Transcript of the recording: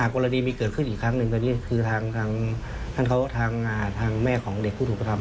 ก็นี่คือทางแม่ของเด็กผู้ถูกประทำ